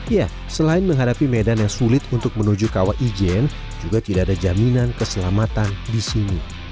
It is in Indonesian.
ya selain menghadapi medan yang sulit untuk menuju kawah ijen juga tidak ada jaminan keselamatan di sini